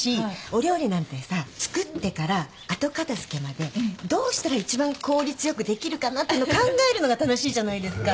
お料理なんてさ作ってから後片付けまでどうしたら一番効率よくできるかなっての考えるのが楽しいじゃないですか。